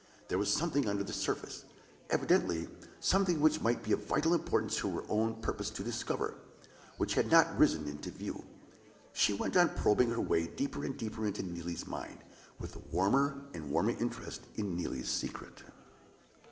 There was something under the surface, evidently something which it might be of vital importance to her own purpose to discover which had not risen into view. She went on probing her way deeper and deeper into Neelie's mind, with a warmer and warmer interest in Neelie's secret.